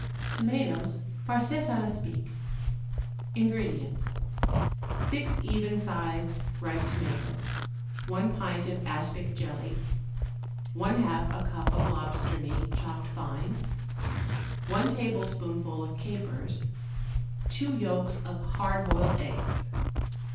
=Tomatoes Farces à l'Aspic.= INGREDIENTS. 6 even sized ripe tomatoes. 1 pint of aspic jelly. 1/2 a cup of lobster meat, chopped fine. 1 tablespoonful of capers. 2 yolks of hard boiled eggs.